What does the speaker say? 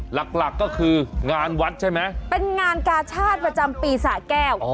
หลักหลักก็คืองานวัดใช่ไหมเป็นงานกาชาติประจำปีสะแก้ว